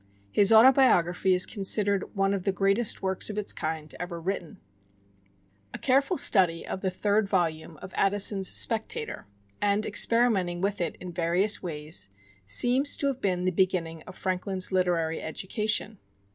His "Autobiography" is considered one of the greatest works of its kind ever written. A careful study of the third volume of Addison's "Spectator," and experimenting with it in various ways, seems to have been the beginning of Franklin's literary education.